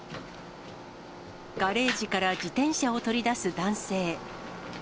ガレージから自転車を取り出す男性。